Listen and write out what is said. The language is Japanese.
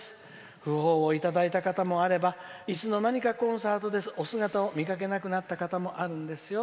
訃報をいただいた方もあればいつの間にかコンサートでお姿を見かけなくなった方もいるんですよ」。